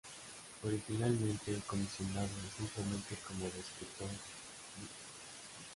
Originalmente comisionado simplemente como Destructor No.